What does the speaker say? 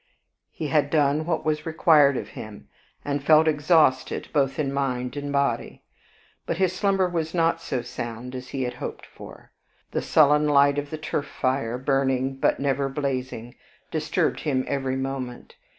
He had done what was required of him, and felt exhausted both in mind and body; but his slumber was not so sound as he had hoped for. The sullen light of the turf fire, burning but never blazing, disturbed him every moment.